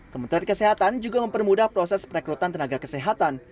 kementerian kesehatan juga mempermudah proses perekrutan tenaga kesehatan